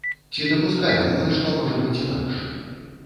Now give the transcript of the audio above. Ці дапускаем мы, што можа быць інакш?